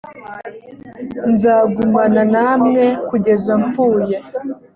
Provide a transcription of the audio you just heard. nzagumana namwe kugeza mpfuye